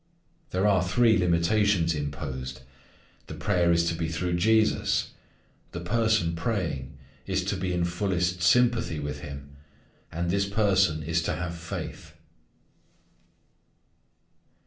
There are three limitations imposed: the prayer is to be through Jesus; the person praying is to be in fullest sympathy with Him; and this person is to have faith.